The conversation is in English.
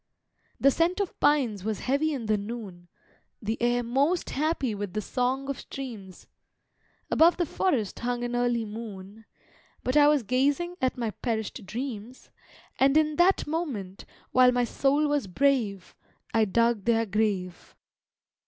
The scent of pines was heavy in the noon, The air most happy with the song of streams, Above the forest hung an early moon, But I was gazing at my perished dreams, And in that moment, while my soul was brave, I dug their grave.